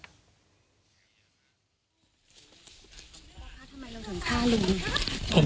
ทำไมเราถึงฆ่าลุง